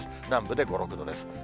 南部で５、６度です。